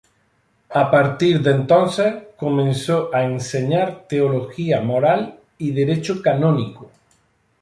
A partir de entonces, comenzó a enseñar teología moral y derecho canónico.